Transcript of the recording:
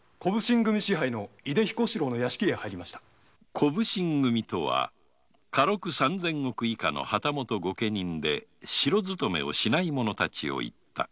「小普請組」とは家禄三千石以下の旗本ご家人で城勤めをしない者たちを言った。